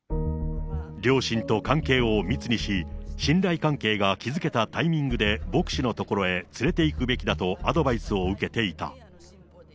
両親と関係を密にし、信頼関係が築けたタイミングで牧師のところへ連れていくべきだとアドバイスを受けていた。